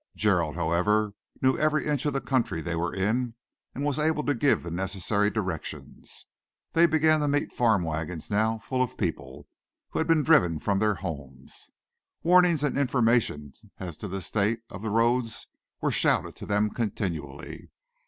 Gerald, however, knew every inch of the country they were in and was able to give the necessary directions. They began to meet farm wagons now, full of people who had been driven from their homes. Warnings and information as to the state of the roads were shouted to them continually.